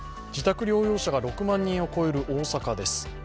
自宅療養者が６万人を超える大阪です。